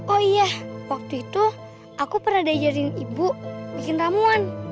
oh iya waktu itu aku pernah diajarin ibu bikin tamuan